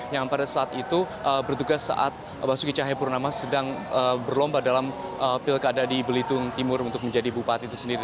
yang pada saat itu bertugas saat basuki cahayapurnama sedang berlomba dalam pilkada di belitung timur untuk menjadi bupati itu sendiri